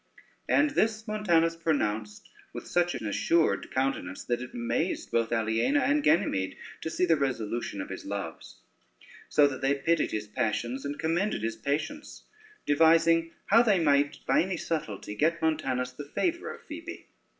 And this Montanus pronounced with such an assured countenance, that it amazed both Aliena and Ganymede to see the resolution of his loves; so that they pitied his passions and commended his patience, devising how they might by any subtlety get Montanus the favor of Phoebe.